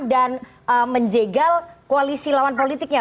dan menjegal koalisi lawan politiknya